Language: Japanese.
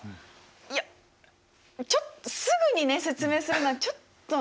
いやちょっとすぐにね説明するのはちょっと。